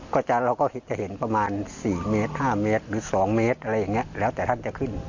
ก็จะเราก็จะเห็นประมาณสี่เมตรห้าเมตรหรือสองเมตรอะไรอย่างเงี้ยแล้วแต่ท่านจะขึ้น